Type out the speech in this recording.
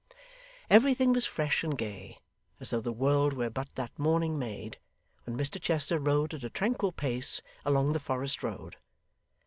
Everything was fresh and gay, as though the world were but that morning made, when Mr Chester rode at a tranquil pace along the Forest road.